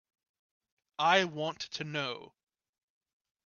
I want to know.